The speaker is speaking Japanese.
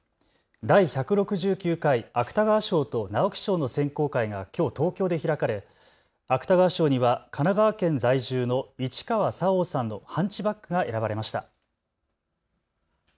第１６９回芥川賞と直木賞の選考会がきょう東京で開かれ芥川賞には神奈川県在住の市川沙央さんのハンチバックが選ばれました。